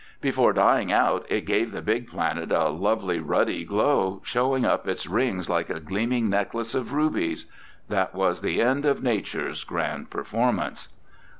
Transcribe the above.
Before dying out, it gave the big planet a lovely ruddy glow, showing up its rings like a gleaming necklace of rubies. That was the end of Nature's grand performance.